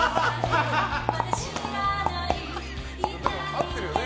合ってるよね。